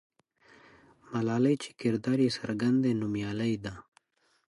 ملالۍ چې کردار یې څرګند دی، نومیالۍ ده.